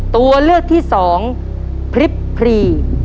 ตัวเลือกที่สองพริบพรี